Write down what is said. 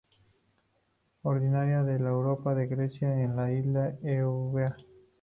Originaria de Europa en Grecia en la isla de Eubea.